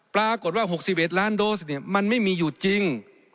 ปรากฏว่า๖๑ล้านโดสมันไม่มีอยู่จริง